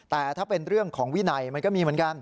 แต่ถ้าเป็นเรื่องของวินัยมันก็มีเหมือนกัน